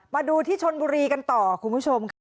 มาดูที่ชนบุรีกันต่อคุณผู้ชมค่ะ